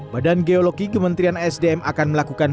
badan geologi kementerian sdm akan melakukan